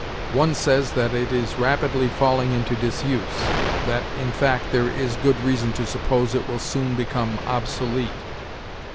One says that it is rapidly falling into disuse; that, in fact, there is good reason to suppose it will soon become obsolete.